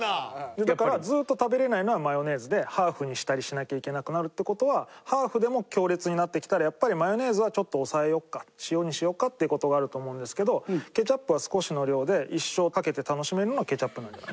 いやだからずっと食べられないのはマヨネーズでハーフにしたりしなきゃいけなくなるって事はハーフでも強烈になってきたらやっぱりマヨネーズはちょっと抑えようか塩にしようかという事があると思うんですけどケチャップは少しの量で一生かけて楽しめるのがケチャップなんじゃ。